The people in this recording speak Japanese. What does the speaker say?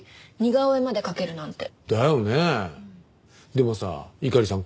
でもさ猪狩さん